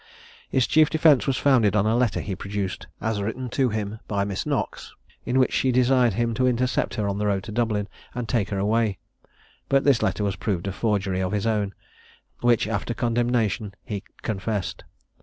His chief defence was founded on a letter he produced, as written to him by Miss Knox, in which she desired him to intercept her on the road to Dublin, and take her away; but this letter was proved a forgery of his own, which after condemnation he confessed.